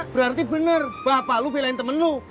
berarti bener bapak lo bilangin temen lo